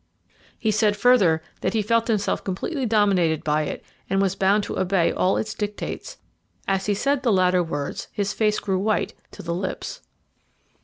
He said further that he felt himself completely dominated by it, and was bound to obey all its dictates. As he said the latter words his face grew white to the lips.